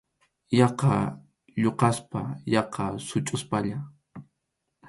Yaqa lluqaspa, yaqa suchuspalla.